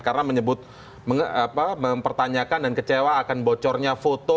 karena menyebut mempertanyakan dan kecewa akan bocornya foto